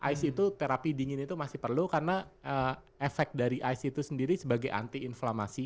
ice itu terapi dingin itu masih perlu karena efek dari ice itu sendiri sebagai anti inflamasi